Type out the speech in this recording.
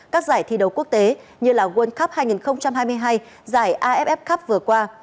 các giải thi đấu quốc tế như là world cup hai nghìn hai mươi hai giải aff cup vừa qua